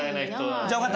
じゃあ分かった。